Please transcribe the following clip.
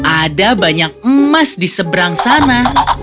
ada banyak emas di seberang sana